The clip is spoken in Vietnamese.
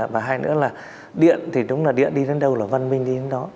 và hai nữa là điện thì đúng là điện đi đến đâu là văn minh đi đến đó